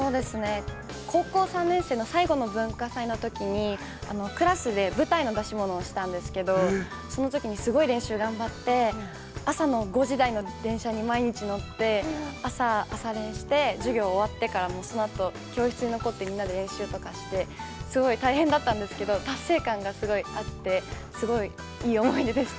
◆高校３年生の最後の文化祭のときに、クラスで舞台の出し物をしたんですけど、そのときに、すごい練習頑張って朝の５時台の電車に毎日乗って朝練して、授業終わってからも、そのあと、教室に残ってみんなで練習とかして、すごい大変だったんですけど、達成感がすごいあって、すごいいい思い出でした。